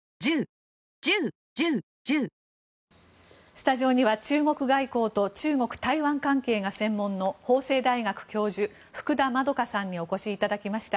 スタジオには中国外交と中国・台湾関係が専門の法政大学教授、福田円さんにお越しいただきました。